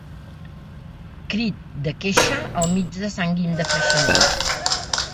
Crit de queixa al mig de Sant Guim de Freixenet.